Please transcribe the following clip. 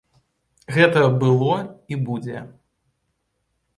Гэта было і будзе.